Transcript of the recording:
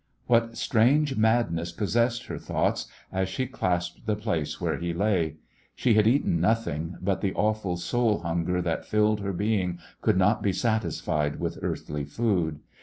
What strange madness possessed her thoughts as she clasped the place where he lay. She had eaten nothing, but the awful soul hunger that filled her being could not be satisfied with earthly food.